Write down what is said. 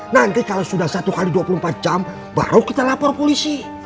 nanti kalau sudah satu x dua puluh empat jam baru kita lapor polisi